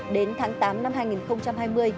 đến tháng tám năm hai nghìn hai mươi